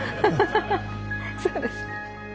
そうですか。